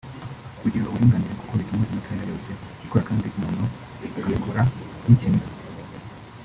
ugira uburinganire kuko bituma imikaya yose ikora kandi umuntu akabikora yikinira